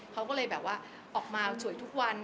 เขาก็เลยแบบว่าออกมาสวยทุกวัน